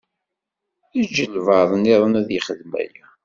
Eǧǧ albaɛḍ niḍen ad yexdem aya.